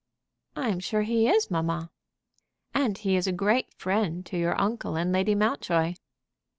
"I am sure he is, mamma." "And he is a great friend to your uncle and Lady Mountjoy."